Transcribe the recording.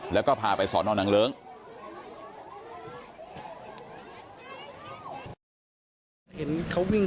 แล้วก็พาไปสอนอนังเลิ้ง